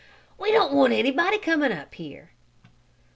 "We don't want anybody coming here!"